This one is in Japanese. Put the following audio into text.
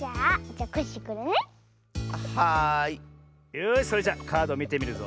よしそれじゃカードみてみるぞ。